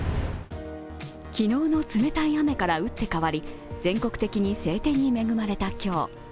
昨日の冷たい雨から打って変わり、全国的に晴天に恵まれた今日。